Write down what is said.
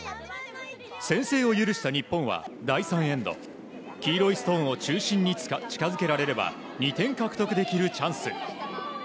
先制を許した日本は、第３エンド黄色いストーンを中心に近づけられれば２点獲得できるチャンス。